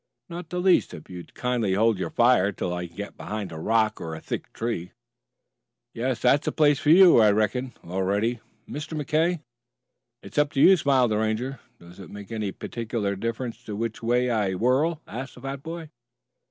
"Not the least, if you'd kindly hold your fire till I can get behind a rock or a thick tree." "Yes, that's the place for you, I reckon. All ready, Mr. McKay?" "It's up to you," smiled the Ranger. "Does it make any particular difference to you which way I whirl?" asked the fat boy.